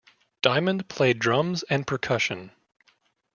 Diamond played drums and percussion.